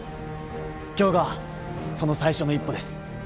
今日がその最初の一歩です。